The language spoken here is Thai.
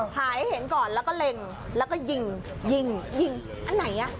ถ่ายให้เห็นก่อนแล้วก็เล็งแล้วก็ยิงยิงยิงอันไหนอ่ะ